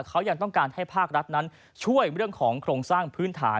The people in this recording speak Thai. เขายังต้องการให้ภาครัฐนั้นช่วยเรื่องของโครงสร้างพื้นฐาน